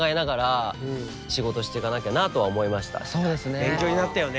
勉強になったよね。